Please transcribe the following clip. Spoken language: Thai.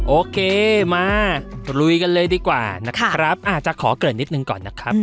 โอเคมาลุยกันเลยดีกว่านะครับอาจจะขอเกิดนิดหนึ่งก่อนนะครับ